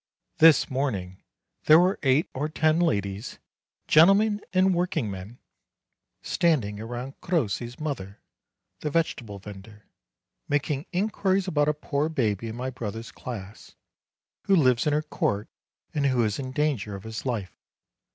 This morning there were eight or ten ladies, gentlemen and workingmen standing around Crossi's mother, the vegetable vendor, making inquiries about a poor baby in my brother's class, who lives in her court, and who is in danger of his life.